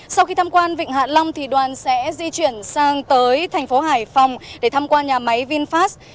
sau khi thăm quan vịnh hạ lâm thì đoàn sẽ di chuyển sang tới thành phố hải phòng để thăm qua nhà máy vinfast